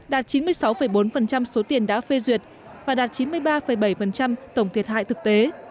đạt chín mươi sáu bốn số tiền đã phê duyệt và đạt chín mươi ba bảy tổng thiệt hại thực tế